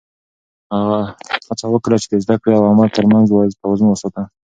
هڅه وکړه چې د زده کړې او عمل تر منځ توازن وساته.